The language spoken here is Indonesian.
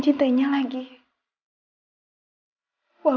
tidak ada yang bisa dikawal